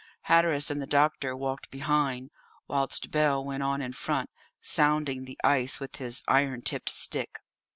Hatteras and the doctor walked behind, whilst Bell went on in front, sounding the ice with his iron tipped stick.